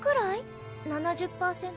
７０％